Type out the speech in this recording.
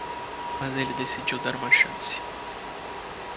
Mas ele decidiu dar uma chance.